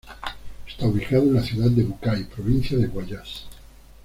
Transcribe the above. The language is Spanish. Está ubicado en la ciudad de Bucay, provincia de Guayas.